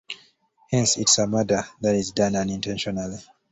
Hence it is a murder that is done unintentionally.